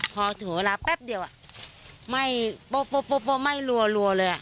พอถึงเวลาแป๊บเดียวไม่ลัวเลย